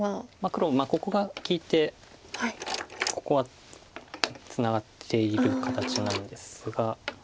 黒ここが利いてここはツナがっている形なんですが。